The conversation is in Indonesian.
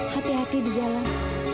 hati hati di dalam